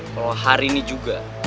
kalau hari ini juga